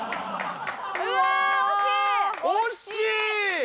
うわー惜しい！